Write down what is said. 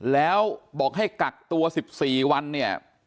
แล้วบอกให้กักตัว๑๔วันเนี่ย